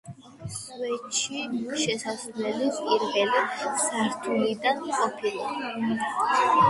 სვეტში შესასვლელი პირველი სართულიდან ყოფილა.